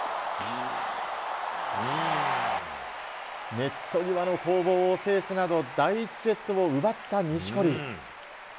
ネット際の攻防を制すなど、第１セットを奪った錦織。